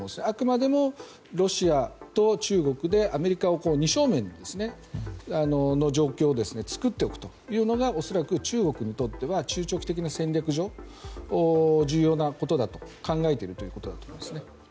あくまでもロシアと中国でアメリカを二正面の状況を作っておくということが恐らく、中国にとっては中長期的な戦略上重要なことだと考えているということだと思います。